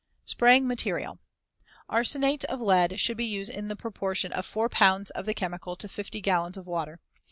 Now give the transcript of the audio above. Spraying material: Arsenate of lead should be used in the proportion Of 4 pounds of the chemical to 50 gallons of water.